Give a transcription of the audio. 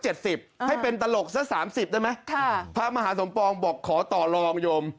ให้เป็นตลกสัก๓๐ได้ไหมพระมหาสมปองบอกขอต่อลองโยม